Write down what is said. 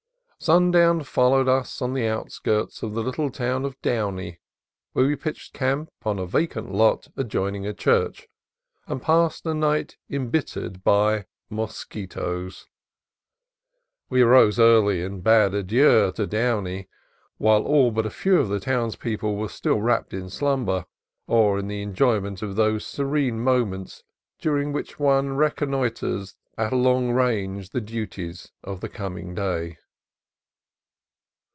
Sundown found us on the outskirts of the little town of Downey, where we pitched camp in a vacant lot adjoining a church, and passed a night embittered by mosquitoes. We arose early, and bade adieu to Downey while all but a few of the townspeople were still wrapped in slumber, or in the enjoyment of those serene moments during which one reconnoitres at long range the duties of the coming day.